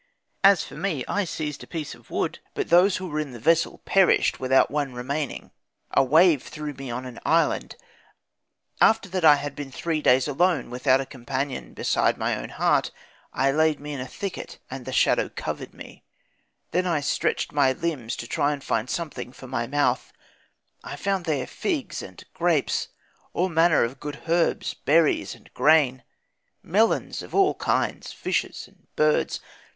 As for me, I seized a piece of wood; but those who were in the vessel perished, without one remaining. A wave threw me on an island, after that I had been three days alone, without a companion beside my own heart. I laid me in a thicket, and the shadow covered me. Then stretched I my limbs to try to find something for my mouth. I found there figs and grapes, all manner of good herbs, berries and grain, melons of all kinds, fishes and birds.